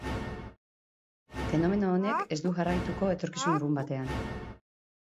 Fenomeno honek ez du jarraituko etorkizun urrun batean.